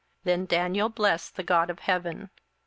Then Daniel blessed the God of heaven.